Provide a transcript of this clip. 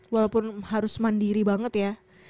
walaupun harus mandiri banget ya